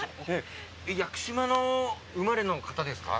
屋久島の生まれの方ですか？